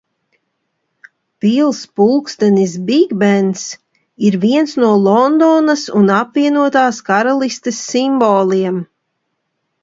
Pils pulkstenis Bigbens ir viens no Londonas un Apvienotās Karalistes simboliem.